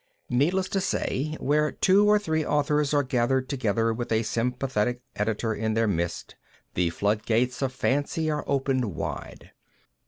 Needless to say where two or three authors are gathered together with a sympathetic editor in their midst, the flood gates of fancy are opened wide.